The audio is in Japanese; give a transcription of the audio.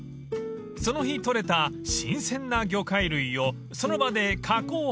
［その日取れた新鮮な魚介類をその場で加工販売］